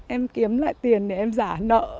em kiếm lại tiền để em giả nợ